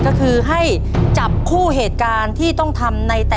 ก็คือให้จับคู่เหตุการณ์ที่ต้องทำในแต่ละ